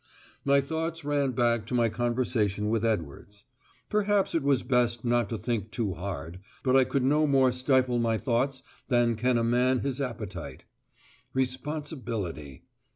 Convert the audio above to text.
My thoughts ran back to my conversation with Edwards. Perhaps it was best not to think too hard, but I could no more stifle my thoughts than can a man his appetite. Responsibility.